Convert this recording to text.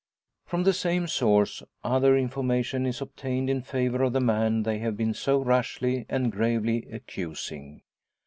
From the same source other information is obtained in favour of the man they have been so rashly and gravely accusing.